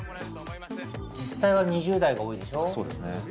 実際は２０代が多いでしょ？